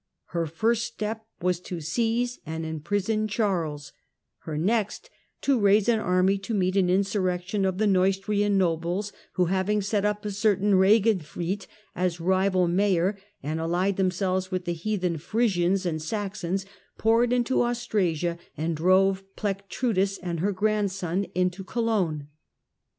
Her first tep was to seize and imprison Charles ; her next to •aise an army to meet an insurrection of the Neustrian lobles, who having set up a certain Reginfrid as rival nayor, and allied themselves with the heathen Frisians aid Saxons, poured into Austrasia and drove Plectrudis md her grandson into Cologne.